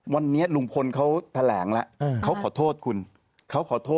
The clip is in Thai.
ไปทำคดีบ้านกกอกเลย